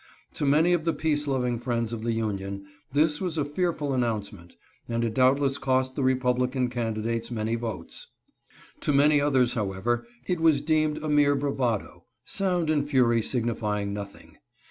To many of the peace loving friends of the Union, this was a fearful announce ment, and it doubtless cost the Republican candidates many votes. To many others, however, it was deemed a mere bravado— sound and fury signifying nothing.